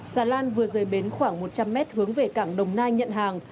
xà lan vừa rời bến khoảng một trăm linh mét hướng về cảng đồng nai nhận hàng